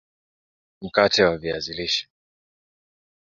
mkate wa viazi lishe